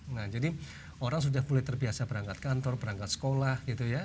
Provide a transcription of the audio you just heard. nah jadi orang sudah mulai terbiasa berangkat kantor berangkat sekolah gitu ya